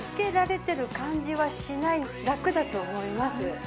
ラクだと思います。